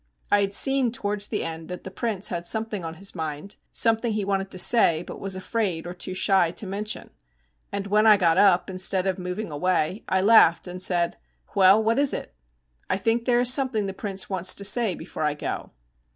I had seen towards the end that the prince had something on his mind, something he wanted to say, but was afraid, or too shy, to mention; and when I got up, instead of moving away, I laughed and said: 'Well, what is it? I think there is something the prince wants to say before I go.'